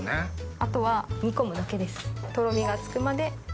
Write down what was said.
あとは煮込むだけです。